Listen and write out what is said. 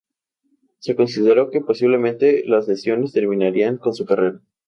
Se consideró que posiblemente las lesiones terminarían con su carrera.